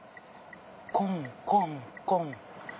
コンコンコン。